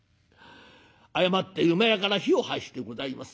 誤って厩から火を発してございます。